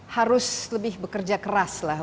harus lebih bekerja keras lah